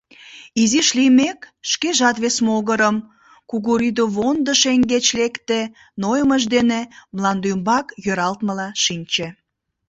Изиш лиймек, шкежат вес могырым, кугырӱдывондо шеҥгеч, лекте, нойымыж дене мландӱмбак йӧралтмыла шинче.